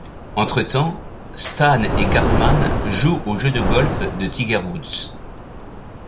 Entretemps, Stan et Cartman jouent au jeu de golf de Tiger Woods.